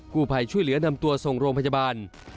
กุภัยช่วยเหลือนำตัวส่งโรงพจรบรรยาบาล